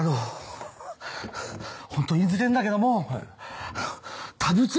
ホント言いづれえんだけども「タブチ」